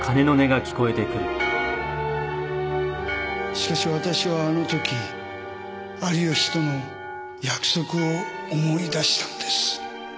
しかし私はあのとき有吉との約束を思い出したのです。